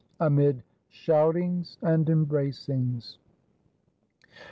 Amid shoutings and embracings.